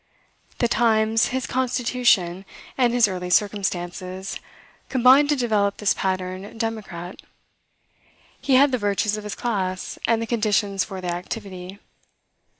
The times, his constitution, and his early circumstances, combined to develop this pattern democrat. He had the virtues of his class, and the conditions for their activity.